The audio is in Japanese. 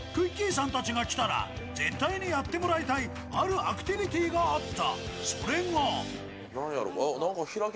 さんたちが来たら絶対にやってもらいたいあるアクティビティがあった。